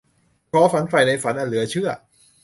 ขอฝันใฝ่ในฝันอันเหลือเชื่อ